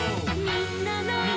「みんなの」